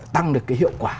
tăng được cái hiệu quả